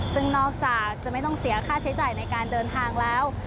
ซึ่งนอกจากจะไม่ต้องเสียค่าใช้จ่ายในการเดินทางแล้ว